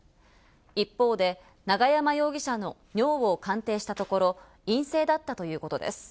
一方で、永山容疑者の尿を鑑定したところ陰性だったということです。